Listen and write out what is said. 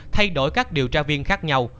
thay đổi các điều tra viên khác nhau